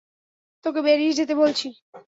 তোকে বেরিয়ে যেতে বলছি।